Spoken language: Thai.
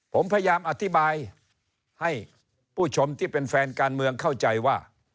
ผมพยายามอธิบายให้ผู้ชมที่เป็นแฟนการเมืองเข้าใจว่า